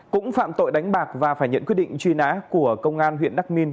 cũng phạm tội đánh bạc và phải nhận quyết định truy nã của công an huyện đắc minh